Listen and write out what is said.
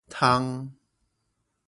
通